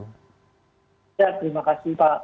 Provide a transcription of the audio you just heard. terima kasih pak